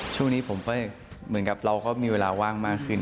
ช่วงนี้ผมก็เหมือนกับเราก็มีเวลาว่างมากขึ้น